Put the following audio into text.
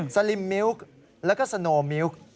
สลิมมิลค์แล้วก็สโนมิลค์